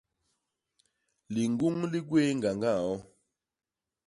Liñguñ li gwéé ñgañga ño.